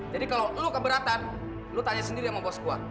jadi kalau lo keberatan lo tanya sendiri sama bos gue